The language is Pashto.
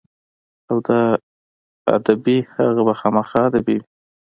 او د ادبي هغه به خامخا ادبي وي.